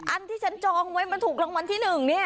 อันที่ฉันจองไว้มันถูกรางวัลที่๑นี่